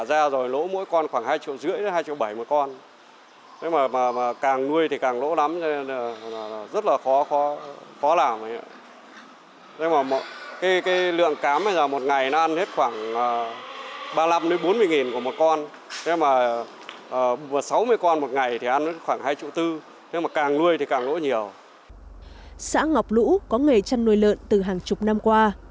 xã ngọc lũ có nghề chăn nuôi lợn từ hàng chục năm qua